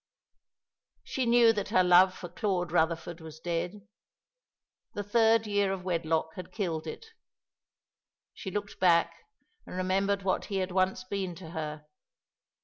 She knew that her love for Claude Rutherford was dead. The third year of wedlock had killed it. She looked back and remembered what he had once been to her.